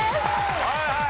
はいはい。